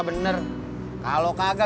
memberkannya ngomong salam